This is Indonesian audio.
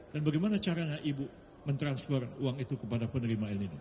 dan bagaimana caranya ibu mentransfer uang itu kepada penerima el nino